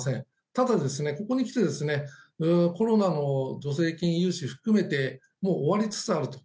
ただ、ここに来てコロナの助成金、融資含めてもう終わりつつあると。